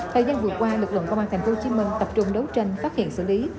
thời gian vừa qua lực lượng công an thành phố hồ chí minh tập trung đấu tranh phát hiện xử lý